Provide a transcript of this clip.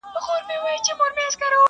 هره ورځ لکه لېندۍ پر ملا کږېږم.!